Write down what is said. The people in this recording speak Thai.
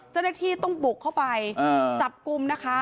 เจ้าหน้าที่ต้องบุกเข้าไปจับกลุ่มนะคะ